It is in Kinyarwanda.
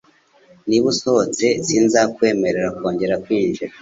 Niba usohotse, sinzakwemerera kongera kwinjira.